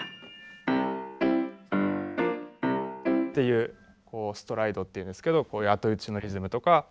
っていうストライドっていうんですけどこういう後打ちのリズムとか。